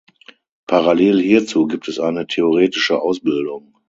Parallel hierzu gibt es eine theoretische Ausbildung.